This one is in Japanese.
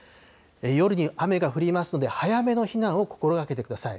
夜に雨が降りますので早めの避難を心がけてください。